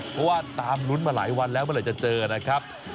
เพราะว่าตามลุ้นมาหลายวันแล้วเมื่อไหร่จะเจอนะครับ